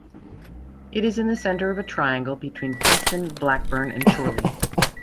It is in the centre of a triangle between Preston, Blackburn, and Chorley.